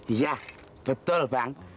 iya betul bang